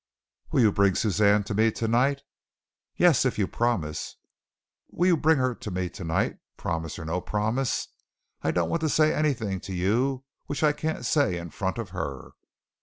"Will you bring Suzanne to me tonight?" "Yes, if you promise." "Will you bring her to me tonight, promise or no promise? I don't want to say anything to you which I can't say in front of her."